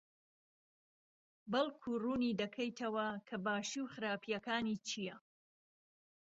بەڵکو ڕوونی دەکەیتەوە کە باشی و خراپییەکانی چییە؟